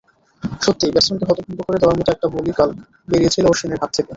সত্যিই, ব্যাটসম্যানকে হতভম্ব করে দেওয়ার মতো একটা বলই কাল বেরিয়েছিল অশ্বিনের হাত থেকে।